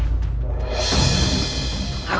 aku adalah rai